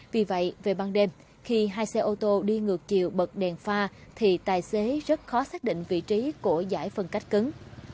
vì vậy về ban đêm khi hai xe ô tô đi ngược chiều bật đèn pha thì tài xế rất khó xác định vị trí của giải phân cách cứng